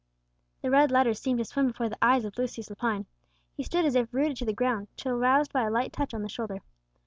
The red letters seemed to swim before the eyes of Lucius Lepine. He stood as if rooted to the ground, till roused by a light touch on the shoulder.